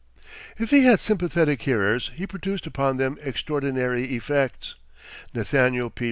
If he had sympathetic hearers, he produced upon them extraordinary effects. Nathaniel P.